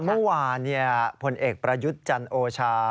เมื่อวานผลเอกประยุทธ์จันโอชา